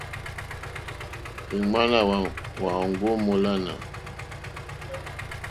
Ìŋwánà wà má òŋɡô múlánà.